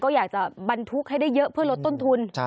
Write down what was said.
ก็อยากจะบรรทุกให้ได้เยอะเพื่อลดต้นทุน